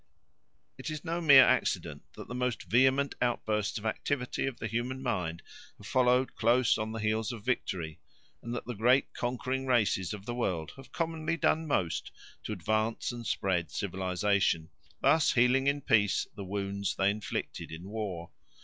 It is no mere accident that the most vehement outbursts of activity of the human mind have followed close on the heels of victory, and that the great conquering races of the world have commonly done most to advance and spread civilisation, thus healing in peace the wounds they inflicted in war.